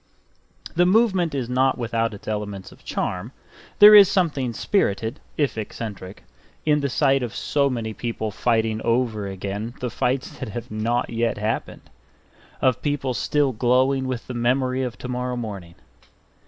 The movement is not without its elements of charm; there is something spirited, if eccentric, in the sight of so many people fighting over again the fights that have not yet happened; of people still glowing with the memory of tomorrow morning.